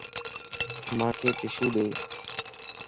مانک ٽشو ڏي